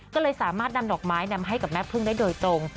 ก็เลยสามารถนำดอกไม้นำให้กับแม่พึ่งได้โดยตรง